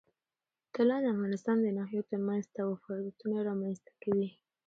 طلا د افغانستان د ناحیو ترمنځ تفاوتونه رامنځ ته کوي.